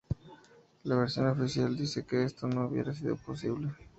La versión oficial dice que esto no hubiera sido posible.